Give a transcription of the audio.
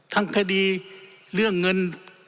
ทั้งคดีเรื่องเงิน